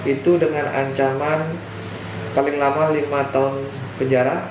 itu dengan ancaman paling lama lima tahun penjara